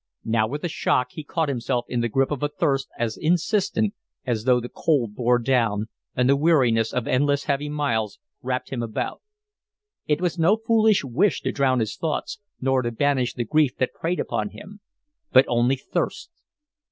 Now with a shock he caught himself in the grip of a thirst as insistent as though the cold bore down and the weariness of endless heavy miles wrapped him about. It was no foolish wish to drown his thoughts nor to banish the grief that preyed upon him, but only thirst!